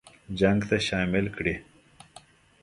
جنګ ته شامل کړي.